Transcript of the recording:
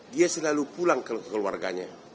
dia selalu pulang ke keluarganya